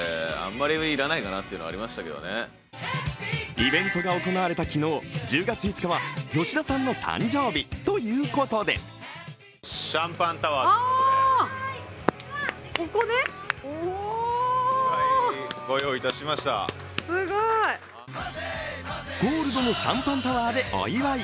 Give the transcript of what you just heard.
イベントが行われた昨日１０月５日は吉田さんの誕生日ということでゴールドのシャンパンタワーでお祝い。